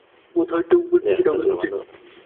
ধুর, বোধহয় টিকেটটাও ফেলে এসেছি।